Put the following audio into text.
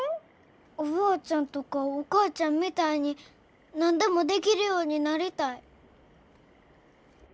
おばあちゃんとかお母ちゃんみたいに何でもできるようになりたい。